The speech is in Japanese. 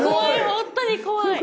本当に怖い。